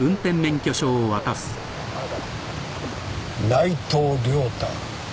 内藤良太。